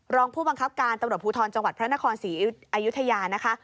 รองผู้บังคับการตำรวจภูทรจังหวัดพระนครศรีอยุธยานะคะ